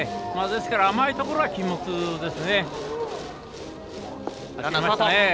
ですから、甘い所は禁物ですね。